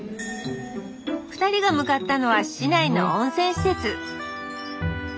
２人が向かったのは市内の温泉施設